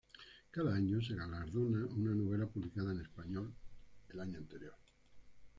Cada año se galardona una novela publicada en español el año anterior.